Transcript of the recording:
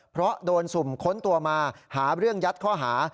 เพราะโดนสุ่มค้นตัวมาหาเรื่องยัดข้อหา